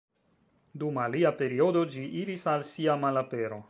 Dum alia periodo ĝi iris al sia malapero.